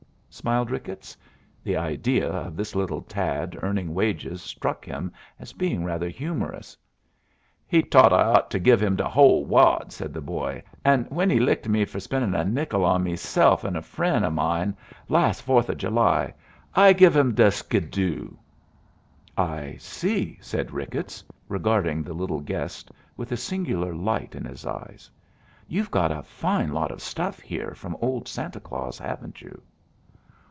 smiled Ricketts. The idea of this little tad earning wages struck him as being rather humorous. "He t'ought I ought to give him de whole wad," said the boy, "and when he licked me for spendin' a nickel on meself and a fr'en' o' mine las' Fourth o' July, I give him de skidoo." "I see," said Ricketts, regarding the little guest with a singular light in his eye. "You've got a fine lot of stuff here from old Santa Claus, haven't you?"